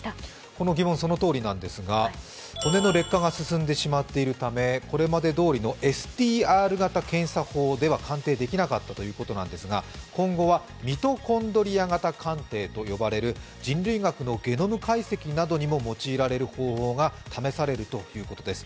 この疑問そのとおりなんですが骨が劣化しているためこれまでどおりのＳＴＲ型検査法では鑑定できなかったということなんですが、今後はミトコンドリア型鑑定と呼ばれる人類学のゲノム解析などにも用いられる方法が試されるということです。